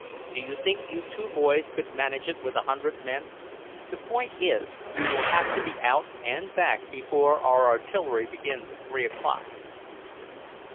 Do you think you two boys could manage it with a hundred men? The point is, you will have to be out and back before our artillery begins at three o'clock."